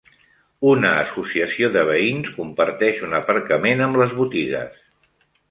Una associació de veïns comparteix un aparcament amb les botigues.